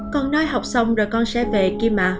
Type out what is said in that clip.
con nói học xong rồi con sẽ về kia mà